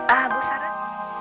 ah bu sarah